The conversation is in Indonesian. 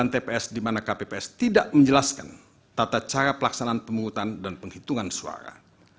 ada lima empat ratus empat puluh sembilan tps di mana kpps tidak menjelaskan tata cara pelaksanaan pemungutan dan penghitungan suara